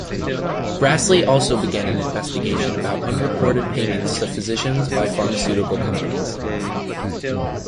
Grassley also began an investigation about unreported payments to physicians by pharmaceutical companies.